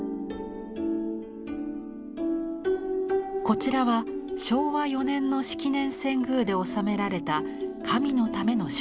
こちらは昭和４年の式年遷宮で納められた神のための装束。